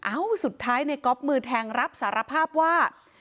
สุดท้ายในก๊อฟมือแทงรับสารภาพว่า